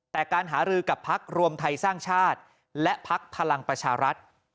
แต่การหารือกับพักรวมไทยสร้างชาติและพักพลังประชารัฐ